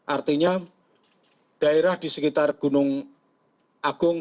artinya daerah di sekitar gunung agung